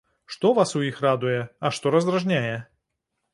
Што вас у іх радуе, а што раздражняе?